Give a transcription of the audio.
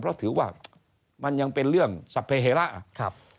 เพราะถือว่ามันยังเป็นเรื่องสรรพเหระ